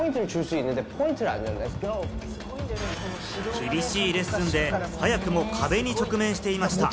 厳しいレッスンで、早くも壁に直面していました。